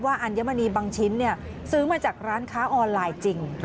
อัญมณีบางชิ้นซื้อมาจากร้านค้าออนไลน์จริง